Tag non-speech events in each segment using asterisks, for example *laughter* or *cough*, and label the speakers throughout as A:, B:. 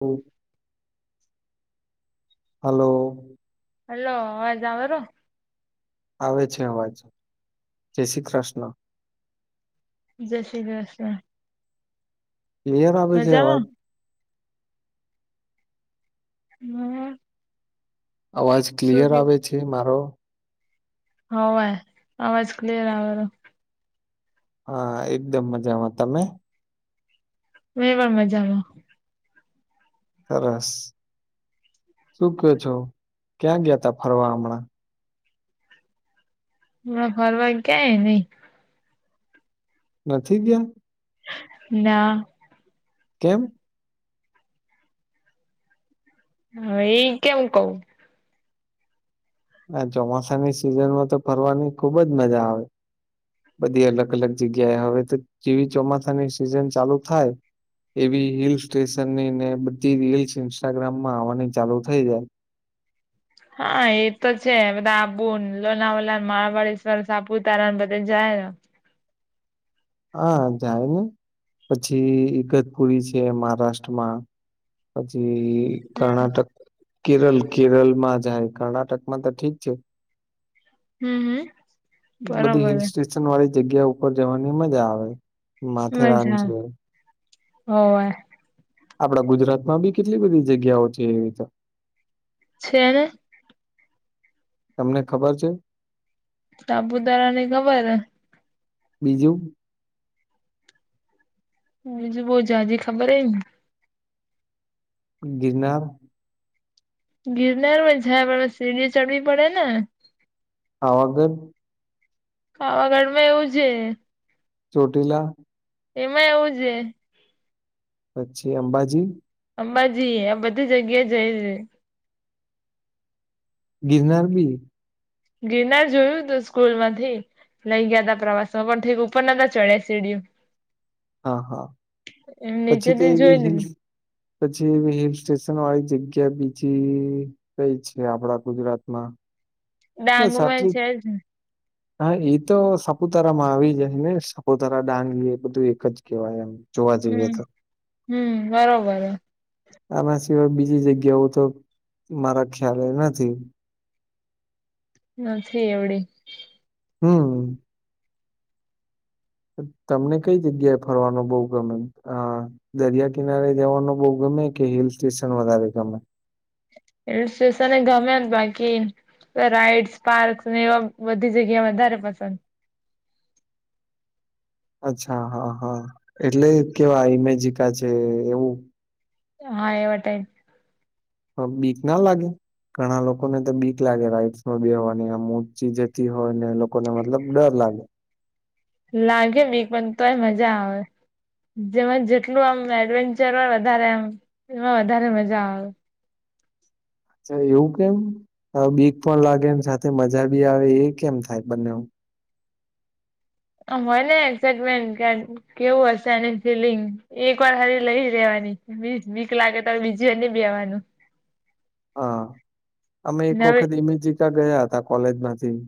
A: હમ hello
B: હલ્ અવાજાવર
A: આવે છે અવાજ જય શ્રી કૃષ્ણ
B: જશે જસ
A: એયર આવેે છે અવાજ
B: મજામાં હમ
A: અવાજ ક્લિયર આવે છે મારો
B: હ આવાજ ક્લિયર આવે બ
A: હા એકદમ મજામાં તમે
B: હ પણ મજામાં
A: સરસ શું ક છો ક્યાં ગયા તા ફરવા હમણાં
B: હ ફરવા ગયાય નહ
A: નથી ગયા
B: ના
A: કેમ
B: હ એ કેમું કવ
A: ના ચોમાસાની સિઝન માં તો ફરવાની ખુબ જ મજા આવે બધી અલગ અલગ જગ્યાએ હવે તો જેવી ચોમાસાની સિઝન ચાલુ થાય એવી હિલ સ્ટેશનની ને બધી રીલ્સ ઇન્સ્ટાગ્રામમાં આવવાની ચાલુ થઈ જાય
B: હા એ તો છે બધા આબુ લોનાવલા માળવાળેશ્વર સાપુતારા બધે જાયને
A: હા જાય ને પછી ગત પુરી છે મહારાષ્ટ્રમાં હજ
B: હમ
A: કર્ણાટક કેરલ કેરલ માં જાય કર્ણાટક માં તો ઠીક છે
B: હમ હમ.
A: બધી
B: બરોબર
A: હિલ
B: હે.
A: સ્ટેશન વાળી જગ્યા ઉપર જવાની મજા આવે માથેરાન
B: મજા
A: છે
B: હો
A: આપડા ગુજરાત માં બી કેટલી બધી જગ્યાઓ છે એવી તો
B: છેને
A: તમને ખબર છે
B: સાબુતારાની ખબર
A: બીજું
B: હ બીજું બઉ જો હજી ખબર હ ને
A: જીજનાબ
B: ગિરનારું મજામાં આવે પણ સીડી ચડવી પડે ને
A: પાવાગઢ
B: પાાવાગઢમાં એવું છે
A: ચોટીલા
B: એમાં એવું છે
A: પછી અંબાજી
B: અંબાજી આ બધી જગ્યા જઈ છે
A: ગિરનાર બી
B: ગિરનાર જોયું તું સ્કૂલ માંથી લઈ ગયા તા પ્રવાસમાં પણ થેક ઉપર નોતા ચડ્યા સીડું
A: હા હા
B: એમ
A: પછી તે
B: નીચેથી જોઈ
A: એવી હ
B: લીધું
A: પછી એવી હિલ સ્ટેશન વાળી જગ્યા બીજી કઈ છે આપડા ગુજરાતમાં બસ
B: ડાંગમાં
A: આટલી
B: છે જ ને.
A: હા એ તો સાપુતારા માં આવી જાય ને સપુતારા ડાંગી એ બધું એક જ કેવાય એમ જોવા જઈએ તો
B: હમ હમ બરોબર
A: આના સિવાય બીજી જગ્યાઓ તો મારા ખ્યાલ નથી
B: નથી એવડીે
A: હમ તમને કઈ જગ્યાએ ફરવાનો બોહ ગમે હ દરિયા કિનારે જવાનું બહુ ગમે કે હિલ સ્ટેશન વધારે ગમે
B: હિલ સ્ટેશન એ ગમે બાકી રાઈડ્સ પાર્કસ એવા બધી જગ્યા વધારે પસંદ
A: અચ્છા હા હા એટલે કેવા ઇમેજિકા છે એવું
B: હા એવા ટાઇપ
A: હ બીક ના લાગે ઘણા લોકોને તો બીક લાગે રાઈદસમાં બેહવાની એમ ઉંચી જતી હોય ને એ લોકોને મતલબ ડર લાગે
B: લાગે એવી તો પણ મજા આવે જેમાં જેટલું આમ એડવેન્ચર હોય વધારે એમ એમાં વધારે મજા આવે
A: એવું કેમ બીક પણ લાગે ને સાથે મજા બી આવે એ કેમ થાય બંને
B: હોયને એકક્સાઈટમેન્ટ કેવું હશે આની ફિલિંગ એક વાર હારી લઈ લેવાની બીક લાગે તો બીજી વાર ની બેહવાનું
A: *inaudible* હા અમે એક
B: નવે
A: વખત ઇમેીઝિકા ગયા હતા કોલેજ માંથી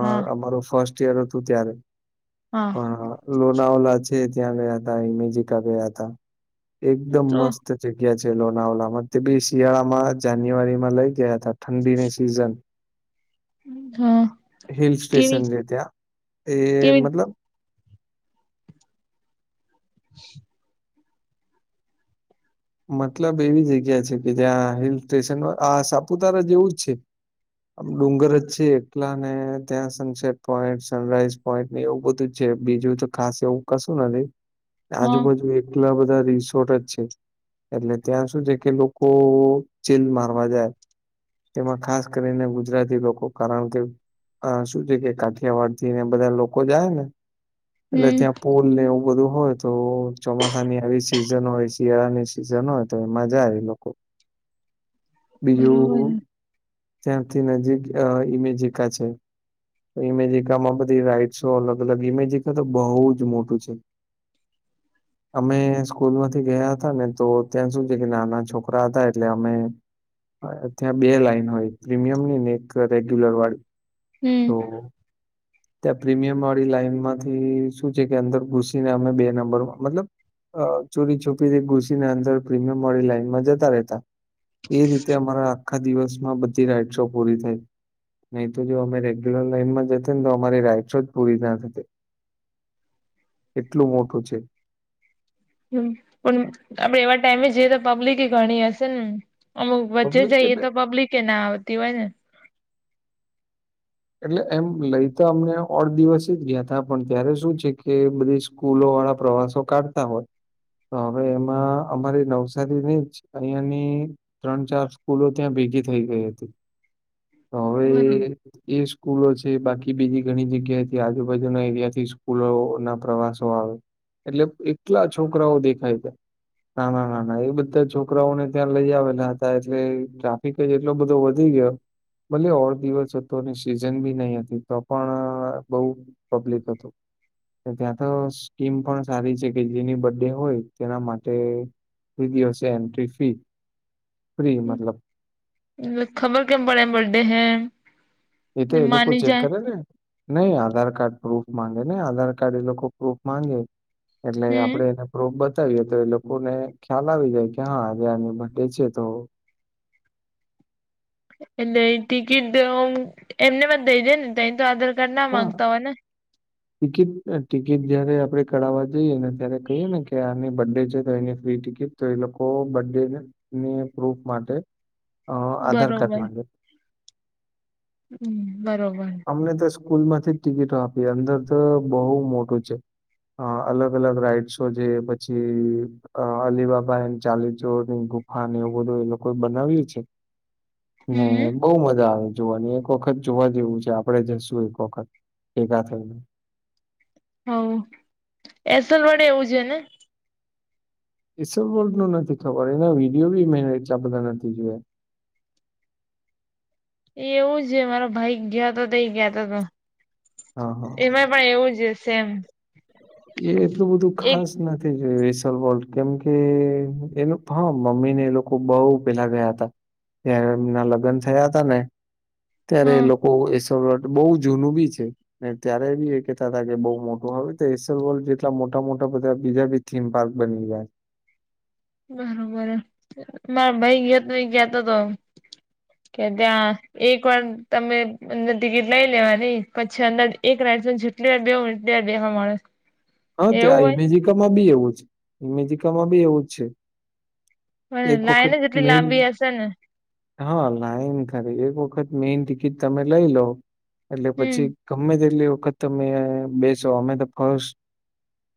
B: હા
A: મારું ફર્સ્ટ ઈયર હતું ત્યારે
B: હા
A: પણ લોનાવલા છે ત્યાં ગયા તા અ ઈમેજીિકા ગયા હતા એકદમ
B: તો
A: મસ્ત જગ્યા છે લોનાવલામાં તે બી શિયાળામાં જાન્યુઆરીમાં લઇ ગયા હતા ઠંડીની સીઝન
B: હા
A: હિલ
B: કેવી
A: સ્ટેશન જે ત્યા એ
B: કેવી
A: મતલબ
B: *inaudible*
A: મતલબ એવી જગ્યા છે કે જ્યાં હિલ સ્ટેશન આ સાપુતારા જેવું જ છે આમ ડુંગર જ છે એકલા ને ત્યાં સનસેટ પોઈન્ટ સનરાઈઝ પોઈન્ટ એવું બધું છે બીજું તો ખાસ એવું કશું નથી
B: હા
A: આજુબાજુ એલા બધા રિસોર્ટ જ છે એટલે ત્યાં સુું છે કે લોકો ચીલ મારવા જાય. તેમાં ખાસ કરીને ગુજરાતી લોકો કારણ કે આ શું છે કે કાઠિયાવાડ થી ને બધા લોકો જાય ને એટલે
B: હમ
A: ત્યાં પુલ ને એવું બધું હોય તો ચોમાસાની આવી સિઝન હોય છે ની સિઝન હોય તો એમાં જાય લોકો
B: બરોબર
A: બીજું ત્યાારથી નજીક ઇમેજિકા છે. ઇમેજિકામાં બધી રાઈડસો અલગ અલગ ઇમેજિકા તો બહુ જ મોટું છે. અમે સ્કૂલ માંથી ગયા હતા ને તો ત્યાં શું છે કે નાના છોકરા હતા એટલે અમે ત્યાં બે લાઈન હોય પ્રીમિયમ ની ને એક રેગ્યુલર વાળી.
B: હમ્મ.
A: તો ત્યાં પ્રીમિયમ વાળી લાઈન માંથી શું છે કે અંદર ઘૂસીને અમે બે નંબરમાં મતલબ અ ચોરી છોપીથી ઘુસી ને અંદર પ્રીમિયમ વાળી લાઈનમાં જતા રહેતા. એ રીતે અમારા આખા દિવસમાં બધી રાઇડસો પૂરી થઈ નહી તો જો અમે રેગ્યુલર લાઈનમાં જતા તો અમારી રાાયટો જ પૂરી ના થતી એટલું મોટું છે.
B: હ પણ આપડે એવા ટાઈમે જઈએ તો પબ્લિક એ ગણી હશે ને? અમુક વચ્ચે
A: પબ્લિક
B: જઈએ
A: એટલે
B: તો પબ્લિકે ના આવતી હોય ને.
A: એટલે એમ લઈ તો અમને અઢ દિવસ જ ગયા તા પણ ત્યારે શું છે કે બધી સ્કૂલો વાળા પ્રવાસો કાઢતા હોત. તો હવે એમાં અમારી નવસારીની જ અહિયાંની ત્રણ ચાર સ્કૂલો ત્યાં ભેગી થઈ ગઈ હતી. તો હવે
B: બરોબર
A: એ સ્કૂલો છે બાકી બીજી ઘણી જગ્યાથી આજુબાજુના એરિયાથી સ્કૂલો ના પ્રવાસો આવે. એટલે એટલા છોકરાઓ દેખાય ના ના ના ના એ બધા છોકરાઓને ત્યાં લઈ આવેલા હતા એટલે ગ્રાફિક જેટલો બધો વધી ગયો ભલે ઓઢ દિવસ હતો તોની સિઝન બી નહી હતી તો પણ બહુ પબ્લિક હતું. ત્યાં તો સ્કીમ પણ સારી છે કે જેની બર્ ડે હોય તેના માટે વિીધ હ છે એન્ટ્રી ફી ફ્રી મતલબ
B: ખબર કેમ પડે બર્ડે હૈ.
A: એ તો એ લોકો ચેક કરે ને. નઈ આધાર કાર્ડ પ્રૂફ માંગે નહી આધાર કાર્ડ એ લોકો પ્રૂફ માંગે એટલે
B: હમ
A: આપડે એને રોપ બતાવીએ તો એ લોકોને ખ્યાલ આવી જાય કે હા આજે આની બર્ડે છે તો
B: એટલે ટિકિટ એમને મ દઈ દે ને ત તો આધાર કાર્ડ ના
A: હા
B: માંગતા હોય ને.
A: *inaudible* ટિકિટ ટિકિટ જયારે આપડે કરાવવા જઈએ ને ત્યારે કહીયએ ને કે આની બર્ડે છે તો એની ફ્રી ટિકિટ તો એ લોકો બર્ ડે ની પ્રૂફ માટે અ આધાર કાર્ડ
B: બરોબર
A: માંગે
B: હમ્મ બરોબર.
A: અમને તો સ્કૂલ માંથી ટિકિટો આપી અંદર તો બહુ મોટું છે. અ અલગ અલગ રાઈડસો જે પછી અ અલીબબા એને ચાલીચોરની ગુફા એવું બધું એ લોકો બનાવી છે. હને
B: હમ
A: બઉ મજા આવે જોવાની એક વખત જોવા જેવું છે. આપડે જઈશું એક વખત ભેગા થઈને.
B: હ એસલ વડે એવું છે ને.
A: ઈસ વોલ ન નથી ખબર એના વિડીયો બી મેં એટલા બધા નથી જોયા.
B: એ એવું છે મારો ભાઈ ગયો હતો તો એ ગયાતો હતો
A: હા હા
B: એમાંય પણ એવું છે. સેમ.
A: એ એટલું બધું
B: એક
A: ખાસ નથી. યો કેમકે એ હા મમ્મી ને એ લોકો બહ પેલા ગયા હતા. ત્યારે એમના લગ્ન થયા હતા ને. ત્યારે
B: હા
A: લોકો એસ બહુ જૂનું બી છે. ને ત્યારે બી એ કેહેતા હતા કે બહુ મોટું હવે એક્સેલ વર્લ્ડ જેટલા મોટા મોટા બધા બીજા બી થીમ પાર્ક બની ગયા.
B: બરોબર મારા ભાઈ ગયોતો એ કહેતો તો.
A: *inaudible*
B: કે ત્યાં એક વાર તમે અંદર ટિકિટ લઈ લેવાની પછી અંદર એક રાઇડ માં જેટલી વાર બેહવું હોય એટલી વાર બેહવા મળે
A: હા તો
B: એવું
A: આ
B: હોય
A: ઇમેઝિકામાં બી એવું જ ઇમેજિકામાં બી એવું જ છે એક વખત મેન
B: સે ને
A: હા લાઈન ખરી એક વખત મેન ટિકિટ તમે લઈ લો એટલે
B: હમ
A: પછી ગમે તેટલી વખત તમે બેસો અમે તો ક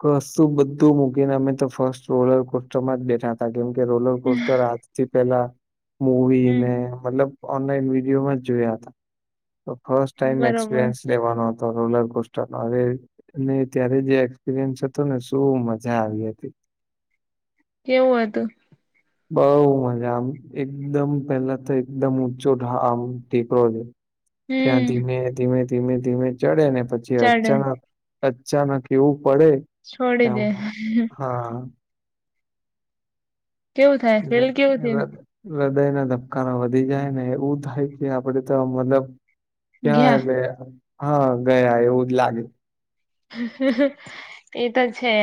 A: કશું બધું મૂકીને અમે તો ફર્સ્ટ રોલર કોસ્ટર માં જ બેઠા હતા કેમ કે રોલર કોસ્ટર આજથી પેલા મુવી
B: હમ
A: ને મતલબ ઓનલાઈન વિડીયોમાં જોયા હતા ફસ્ટ ટાઈમ
B: બરોબર
A: એક્સપિરિયન્સ લેવાનો હતો રોલર કોસ્ટરનો હવે નહી ત્યારે જે એક્સપિરિયન્સ હતો ને શું મજા આવી હતી
B: એવું હતું
A: બઉ મજા આમ એકદમ પેલા તો એકદમ ઊંચો થાળ આમ ટેકરો છે ત્યાં
B: હમ
A: ધીમે ધીમે ધીમે ધીમે ચડે ને પછી
B: ચાલે
A: અચાનક અચ્ચાનક ન એવું પડે
B: છોડી
A: કે આમ
B: દે
A: હા
B: કેવું થાય ફિલ કેવું થયું
A: હૃદય ના ધબકાના વધી જાય ને એવું થાય કે આપડે તો મતલબ
B: ગયા
A: ક્યાં બે હા ગયા એવું જ લાગે
B: એ તો છે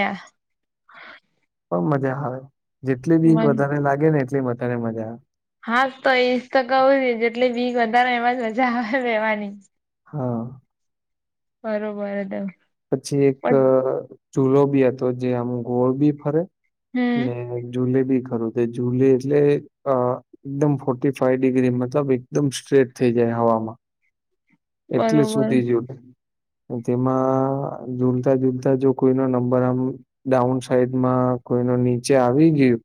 A: પણ મજા આવે જેટલી બી
B: મન
A: વધારે લાગે ને એટલી મારે મજા આવે
B: હા તો એઈજ તો કહું જેટલી બીક વધારે એમાં જ મજા આવે રેવાની
A: હા
B: બરોબર ત
A: પછી એક ચૂલો બી હતો જે આમ ગોળ બી ફરે
B: હમ
A: ને જુલે બી ખરું છે જુલે એટલે અ એકદમ ફોર્ટી ફાઈવ ડિગ્રી મતલબ એકદમ સ્ટ્રેટ થઈ જાય હવામાં એટલે
B: બરોબર
A: સુધી જુલે તેમાં ઝૂલતા ઝુલતા જો કોઈ નો નંબર આમ ડાઉન સાઈડમાં કોઈ ન નીચે આવી ગયું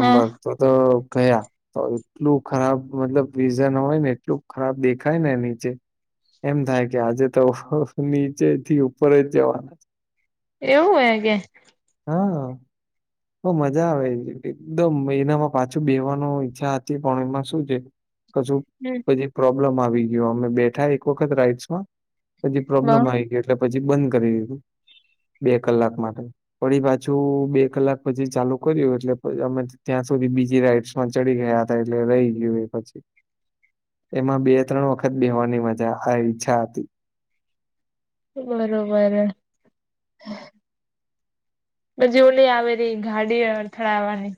B: હા
A: નંબર તો તો ગયા તો એટલું ખરાબ મતલબ વિઝન હોય ને એટલું ખરાબ દેખાય ને નીચે એમ થાય કે આજે તો નીચે થી ઉપર જ જવાના છે
B: એવું હે કે
A: હા બ મજા આવે એકદમ એનામાં પાછું બેવાનો ઈચ્છા હતી પણ એમાં શું છે કજું
B: હમ
A: પ્રોબ્લેમ આવી ગયો અમે બેઠા એક વખત રાઈડ્સ માં બછી
B: બ
A: પ્રોબ્લમ આવી ગયો પછી બંધ કરી દીધું બે કલાક માટે વળી પાછું બે કલાક પછી ચાલુ કર્યું એટલે અમે ત્યાં સુધી બીજી રાઈડ્સમાં ચડી ગયા હતા એટલે રહી ગયું એ પછી એમાં બે ત્રણ વખત બેવાની મજા આ ઈચ્છા હતી
B: બરોબર બ ઓલી આવેલી ગાડી અથળાવવાની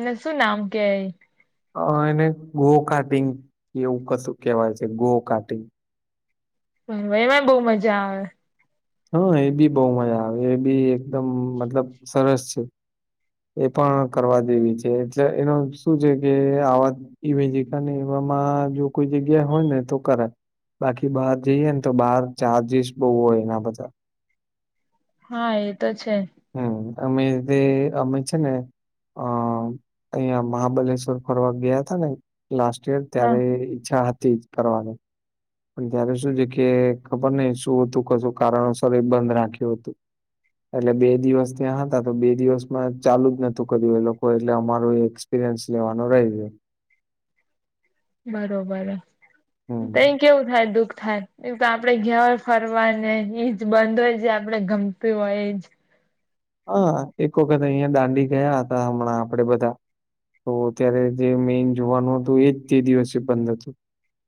B: એને શું નામ કેય
A: અ એને ગો કટિંગ એવું કશું કેહેવાય છે ગો કટિંગ
B: હ એમાં બહુ મજા આવે
A: હા એ બી બહુ મજા આવે એ બી એકદમ મતલબ સરસ છે એ પણ કરવા દેવી છે એટલે એનો શું છે કે આવા એવી જગા ને એવામાં જો કોઈ જગ્યા હોય ને તો કરે બાકી બહાર જઈએ ને તો બહાર ચાર્જિસ બહુ હોય એના બધ
B: હા એ તો છે
A: હમ અમે તે અમે છે ને અ અહં મહાબલેશ્વર ફરવા ગયા તા ને લાસ્ટ યર
B: હા
A: ત્યારે ઈચ્છા હતી જ કરવાની પણ ત્યારે શું છે કે ખબર નને શું હતું કશું કારણોસર એ બંધ રાખ્યું હતું એટલે બે દિવસ ત્યાં હતા તો બે દિવસ માં ચાલુ જ નતું કર્યું એ લોકો એટલે અમાર એક્પીરિન્સ લેવાનોરાઈ છે
B: બરોબર
A: હમ.
B: તોઈ કેવું થાય દુઃખ થાય એ તો આપડે ઘ્યા હોય ફરવાને એજ બંધ હોય જે આપડણે ગમત હોય એજ
A: હા એક વખત અહિયાં દાંડી ગયા હતા હમણાં આપડે બધા તો અત્યારે જે મેન જોવાનું હતું એજ તે દિવસે બંધ હતું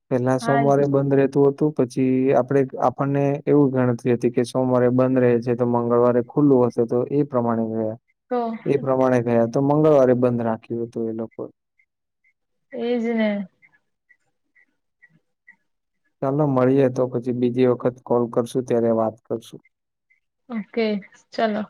A: પેલા સોમવારે
B: હા
A: બંધ રહેતું હતું પછી આપડ આપણને એવું ગણતી હતી કે સોમવારે બંધ રહે છે તો મંગળવારે ખુલ્લું હશે તો એ પ્રમાણે ગયા
B: તો
A: એ પ્રમાણે ગયા તો મંગળવારે બંધ રાખ્યું હતું એ લોકો
B: એજને
A: ચાલો મળીએે તો પછી બીજી વખત કોલ કરશું ત્યારે વાત કરશું
B: ઓકે ચલોો